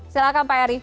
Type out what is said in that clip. silahkan pak eri